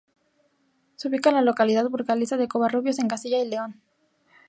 Se ubica en la localidad burgalesa de Covarrubias, en Castilla y León.